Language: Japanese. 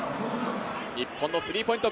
日本のスリーポイント